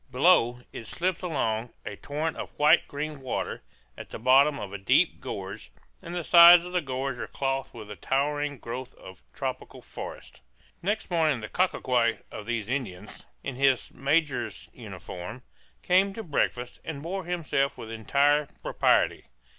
Below, it slips along, a torrent of white green water, at the bottom of a deep gorge; and the sides of the gorge are clothed with a towering growth of tropical forest. Next morning the cacique of these Indians, in his major's uniform, came to breakfast, and bore himself with entire propriety.